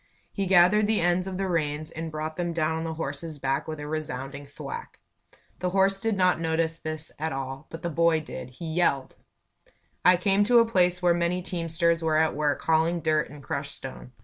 He gathered the ends of the reins and brought them down on the horse's back with a resounding thwack. The horse did not notice this at all, but the boy did. He yelled! I came to a place where many teamsters were at work hauling dirt and crushed stone.